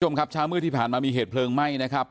คุณผู้ชมครับเช้ามืดที่ผ่านมามีเหตุเพลิงไหม้นะครับ